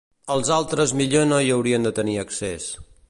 Els altres millor no hi haurien de tenir accés.